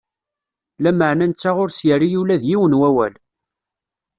Lameɛna netta ur s-yerri ula d yiwen n wawal.